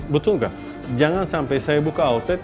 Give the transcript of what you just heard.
betul nggak jangan sampai saya buka outlet